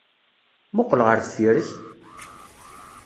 Mmuqqel ɣer deffir-k!